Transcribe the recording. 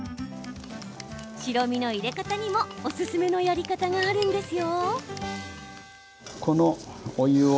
白身の入れ方にもおすすめのやり方があるんですよ。